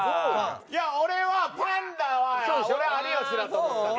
いや俺はパンダは俺有吉だと思ったの。